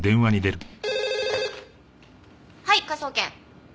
はい科捜研。